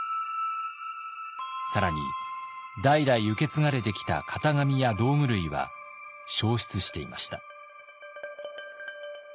更に代々受け継がれてきた型紙や道具類は焼失していました。